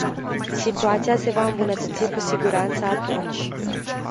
Situația se va îmbunătăți cu siguranță atunci.